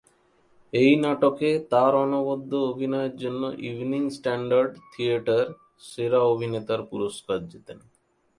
এই নাটকে তার অনবদ্য অভিনয়ের জন্য ইভনিং স্ট্যান্ডার্ড থিয়েটার সেরা অভিনেতার পুরস্কার জেতেন।